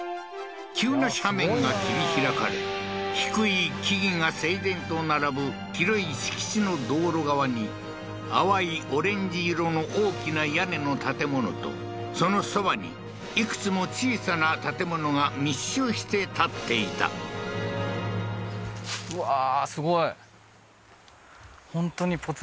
急な斜面が切り開かれ低い木々が整然と並ぶ広い敷地の道路側に淡いオレンジ色の大きな屋根の建物とそのそばにいくつも小さな建物が密集して建っていたあっ